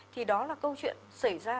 thì đó là câu chuyện xảy ra